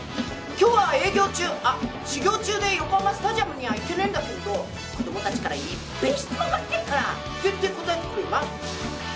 今日は営業中、あっ、修行中で横浜スタジアムには行けねえんだけど子供たちからいっぺぇ質問が来てっから、ぜってぇ答えてくれよな。